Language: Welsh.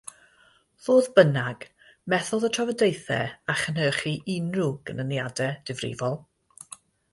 Fodd bynnag, methodd y trafodaethau â chynhyrchu unrhyw ganlyniadau difrifol.